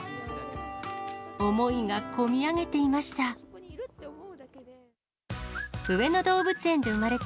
思いがこみ上げていました。